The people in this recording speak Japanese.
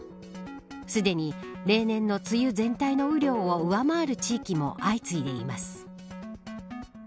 すでに例年の梅雨全体の雨量を上回る地域も相次いでいます。